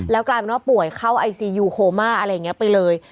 กลายเป็นว่าป่วยเข้าไอซียูโคม่าอะไรอย่างนี้ไปเลย